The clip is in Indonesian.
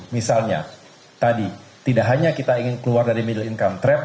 misalnya tadi tidak hanya kita ingin keluar dari middle income trap